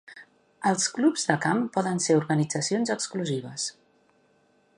Els clubs de camp poden ser organitzacions exclusives.